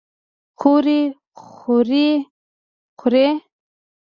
خوري خورۍ خورې؟